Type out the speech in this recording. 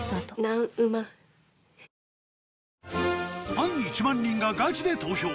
ファン１万人がガチで投票！